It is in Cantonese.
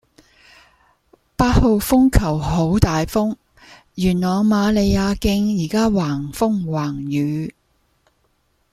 八號風球好大風，元朗瑪利亞徑依家橫風橫雨